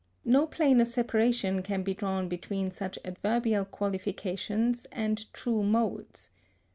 No plane of separation can be drawn between such adverbial qualifications and true modes.